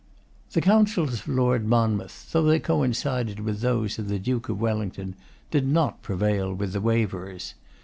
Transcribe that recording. The counsels of Lord Monmouth, though they coincided with those of the Duke of Wellington, did not prevail with the Waverers.